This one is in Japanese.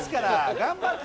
頑張って！